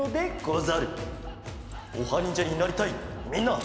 オハにんじゃになりたいみんな！